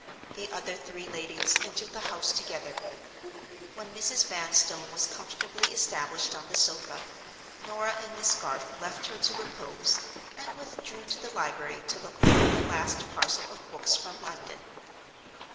The other three ladies entered the house together. When Mrs. Vanstone was comfortably established on the sofa, Norah and Miss Garth left her to repose, and withdrew to the library to look over the last parcel of books from London.